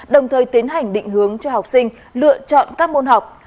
đồng thời tiến hành định hướng cho học sinh lựa chọn các môn học